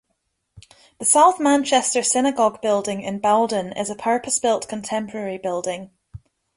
The South Manchester Synagogue building in Bowdon is a purpose-built contemporary building.